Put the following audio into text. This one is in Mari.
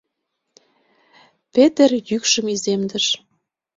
— Петер йӱкшым иземдыш.